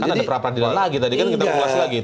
kan ada perapaan di dalam lagi tadi kan kita ulas lagi